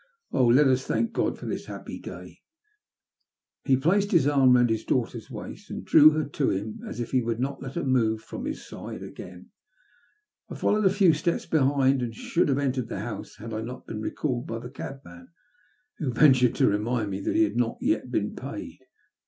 ''Oh, let us thank God for this happy day I " He placed his arm round his daughter's waist, and drew her to him as if he would not let her move from his side again. I followed a few steps behind, and should have entered the house had I not been recalled by the cabman, who ventured to remind me that he had not yet been paid.